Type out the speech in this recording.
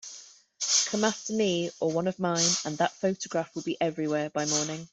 Come after me or one of mine, and that photograph will be everywhere by morning.